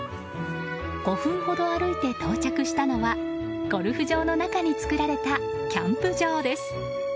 ５分ほど歩いて到着したのはゴルフ場の中に作られたキャンプ場です。